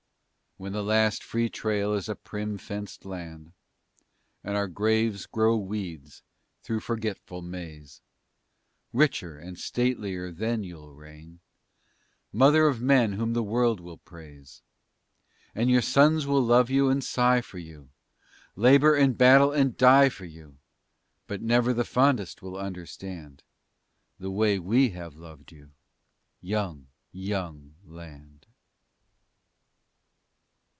When the last free trail is a prim, fenced lane And our graves grow weeds through forgetful Mays, Richer and statelier then you'll reign, Mother of men whom the world will praise. And your sons will love you and sigh for you, Labor and battle and die for you, But never the fondest will understand The way we have loved you, young, young land.